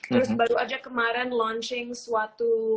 terus baru aja kemarin launching suatu